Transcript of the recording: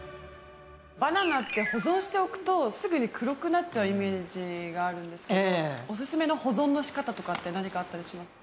バナナって保存しておくとすぐに黒くなっちゃうイメージがあるんですけれどオススメの保存の仕方とかって何かあったりしますか？